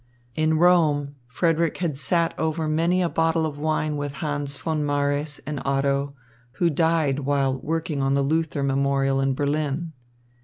In Rome, Frederick had sat over many a bottle of wine with Hans von Marées and Otto, who died while working on the Luther Memorial in Berlin.